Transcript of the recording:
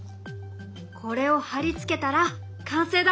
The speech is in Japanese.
これを貼り付けたら完成だ！